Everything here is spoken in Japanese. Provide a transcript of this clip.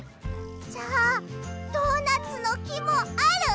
じゃあドーナツのきもある？